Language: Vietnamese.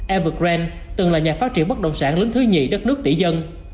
evergrande từng là nhà phát triển bất đồng sản lớn thứ nhị đất nước tỷ dân